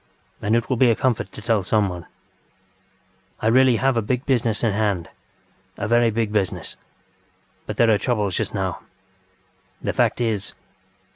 And it will be a comfort to tell someone. I really have a big business in hand, a very big business. But there are troubles just now. The fact is